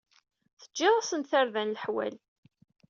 Teǧǧiḍ-asen-d tarda n leḥwal.